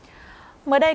công an truyền thông